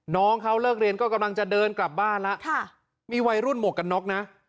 น้องเขาเลิกเรียนก็กำลังจะเดินกลับบ้านแล้วมีวัยรุ่นหมวกกันน็อกนะ